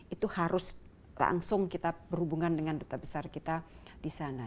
itu harus langsung kita berhubungan dengan duta besar kita di sana